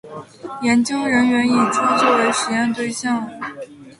研究人员以猪作为实验对象